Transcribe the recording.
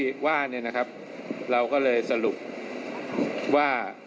ที่ว่าเนี่ยนะครับเราก็เลยสรุปว่า